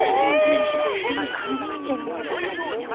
完全にねたまれてるね